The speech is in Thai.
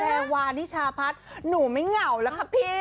แตงวันนิชาพัทห์หนูไม่เหงาแล้วครับพี่